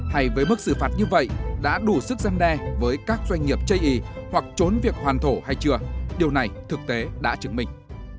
hay với mức xử phạt như vậy đã đủ sức gian đe với các doanh nghiệp chây ý hoặc trốn việc hoàn thổ hay chưa điều này thực tế đã chứng minh